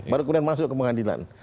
baru kemudian masuk ke pengadilan